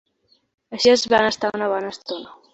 Així es van estar una bona estona.